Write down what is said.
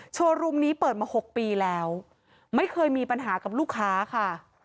โชว์รูมนี้เปิดมา๖ปีแล้วไม่เคยมีปัญหากับลูกค้าค่ะ